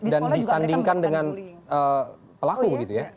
dan disandingkan dengan pelaku begitu ya